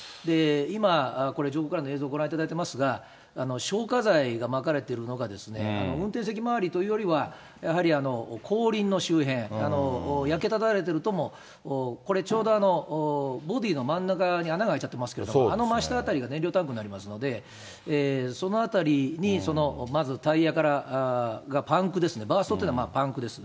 今、これ、上空からの映像、ご覧いただいていますが、消火剤がまかれているのが、運転席周りというよりは、やはり後輪の周辺、焼けただれてるとも、これ、ちょうどボディーの真ん中に穴が開いちゃっていますけれども、あの真下辺りが燃料タンクになりますので、その辺りに、まずタイヤがパンクですね、バーストっていうのはパンクです。